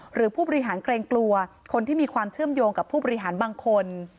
หรือผู้บริหารเกรงกลัวคนที่มีความเชื่อมโยงกับผู้บริหารบางคน